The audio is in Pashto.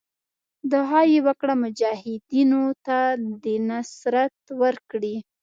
دعا یې وکړه مجاهدینو ته دې نصرت ورکړي.